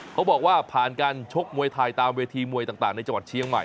เขาบอกว่าผ่านการชกมวยไทยตามเวทีมวยต่างในจังหวัดเชียงใหม่